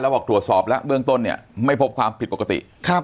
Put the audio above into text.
บอกตรวจสอบแล้วเบื้องต้นเนี่ยไม่พบความผิดปกติ